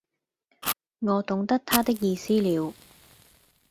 我懂得他的意思了，